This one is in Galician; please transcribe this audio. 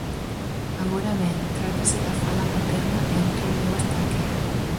Agora ben, trátase da fala materna e outras dúas calquera.